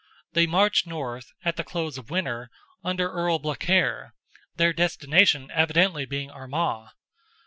They marched north, at the close of winter, under Earl Blacair, their destination evidently being Armagh.